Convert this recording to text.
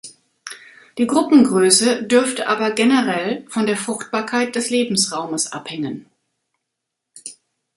Die Gruppengröße dürfte aber generell von der Fruchtbarkeit des Lebensraumes abhängen.